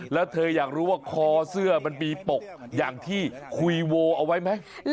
แล้วเธออยากรู้ว่าคอเสื้อมันมีปกอย่างที่คุยโวเอาไว้ไหม